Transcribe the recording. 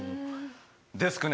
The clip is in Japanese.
デスクね